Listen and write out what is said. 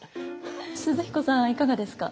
寿々彦さんはいかがですか？